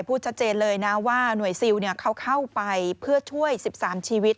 พูดชัดเจนเลยนะว่าหน่วยซิลเขาเข้าไปเพื่อช่วย๑๓ชีวิต